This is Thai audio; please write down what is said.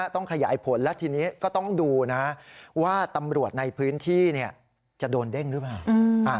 ต้องขยายผลและทีนี้ก็ต้องดูนะว่าตำรวจในพื้นที่จะโดนเด้งหรือเปล่า